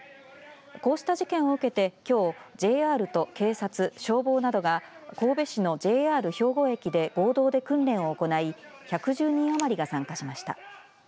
こうした事件を受けて、きょうＪＲと警察、消防などが神戸市のＪＲ兵庫駅で合同で訓練を行い１１０人余りが参加しました。